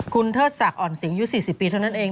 คุณเทิดศักดิ์อ่อนสิงอายุ๔๐ปีเท่านั้นเอง